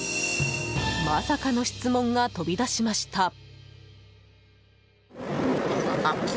まさかの質問が飛び出しました。